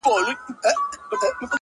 o دا غمى اوس له بــازاره دى لوېـدلى ـ